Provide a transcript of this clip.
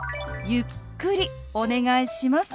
ゆっくりお願いします。